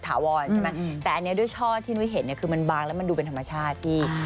อันนี้ด้วยช่อจะเห็นมันบังและดูทัมราชาถี้